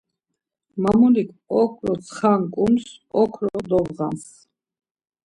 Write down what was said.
Mamulik okro tsxanǩums okro dobğams.